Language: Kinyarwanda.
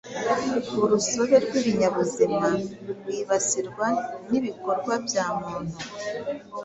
urusobe rw’ibinyabuzima rwibasirwa n’ibikorwa bya muntu